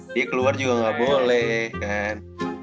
dia keluar juga nggak boleh kan